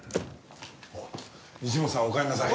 西本さんおかえりなさい。